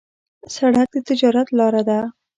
سړک د تجارت لاره ده.